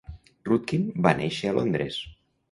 Rudkin va néixer a Londres.